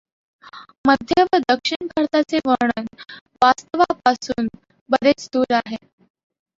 मध्य व दक्षिण भारताचे वर्णन वास्तवापासून बरेच दूर आहे.